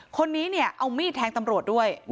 คนนี้เนี่ยเอามีดแทงตำรวจด้วย